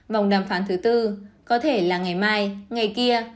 vòng đàm phán thứ tư có thể là ngày mai ngày kia